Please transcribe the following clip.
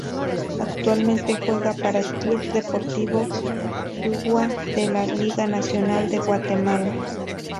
Actualmente juega para el club Deportivo Quiriguá de la Liga Nacional de Guatemala.